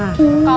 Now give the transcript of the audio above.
udah punya suami